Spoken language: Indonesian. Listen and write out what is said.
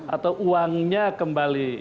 atau uangnya kembali